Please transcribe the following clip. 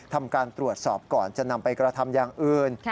ทำการตรวจสอบก่อนจะนำไปกระทำอย่างอื่น